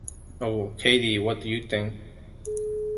Oh, Katie, what do you think?